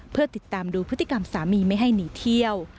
เพื่อติดตามดูพฤติกรรมสามีไม่ให้หนีเที่ยว